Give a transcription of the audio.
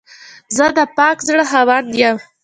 زه د پاک زړه خاوند یم.